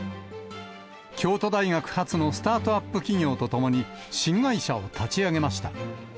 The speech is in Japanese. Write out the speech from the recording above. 京都大学発のスタートアップ企業とともに、新会社を立ち上げました。